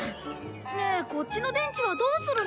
ねえこっちの電池はどうするの？